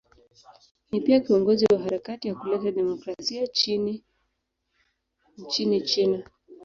Ni pia kiongozi wa harakati ya kuleta demokrasia nchini China.